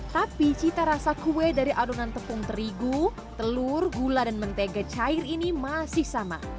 tapi cita rasa kue dari adonan tepung terigu telur gula dan mentega cair ini masih sama